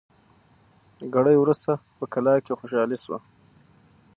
ګړی وروسته په کلا کي خوشالي سوه